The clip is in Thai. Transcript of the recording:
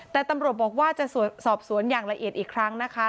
แต่ตำรวจบอกว่าจะสอบสวนอย่างละเอียดอีกครั้งนะคะ